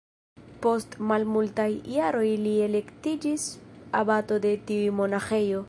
Post malmultaj jaroj li elektiĝis abato de tiu monaĥejo.